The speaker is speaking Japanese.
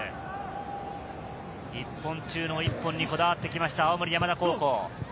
一本中の一本にこだわってきました、青森山田高校。